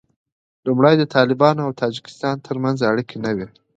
لومړی د طالبانو او تاجکستان تر منځ اړیکې نه وې